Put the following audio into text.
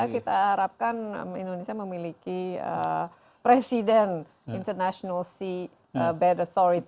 kita harapkan indonesia memiliki presiden international sea bed authority